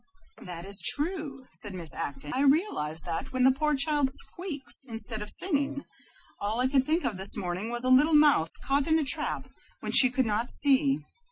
"That is true," said Miss Acton. "I realize that when the poor child squeaks instead of singing. All I could think of this morning was a little mouse caught in a trap which she could not see.